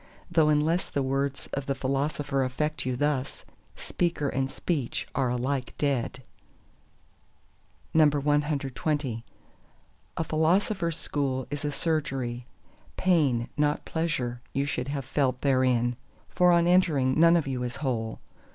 though unless the words of the Philosopher affect you thus, speaker and speech are alike dead. CXXI A Philosopher's school is a Surgery: pain, not pleasure, you should have felt therein. For on entering none of you is whole.